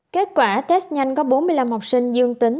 kết quả test nhanh có bốn mươi năm học sinh dương tính